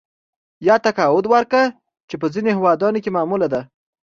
یا تقاعد ورکړه چې په ځینو هېوادونو کې معموله ده